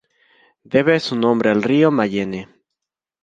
Debe su nombre al río Mayenne.